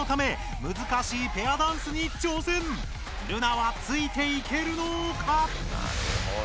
ルナはついていけるのか？